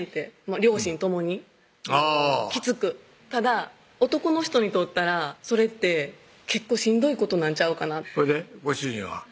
両親共にきつくただ男の人にとったらそれって結構しんどいことなんちゃうかなほいでご主人は？